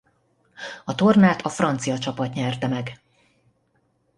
A tornát a francia csapat nyerte meg.